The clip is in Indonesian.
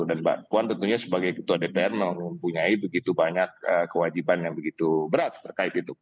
dan mbak puan tentunya sebagai ketua dpr mempunyai begitu banyak kewajiban yang begitu berat terkait itu